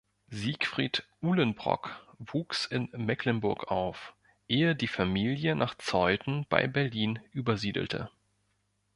Siegfried Uhlenbrock wuchs in Mecklenburg auf, ehe die Familie nach Zeuthen bei Berlin übersiedelte.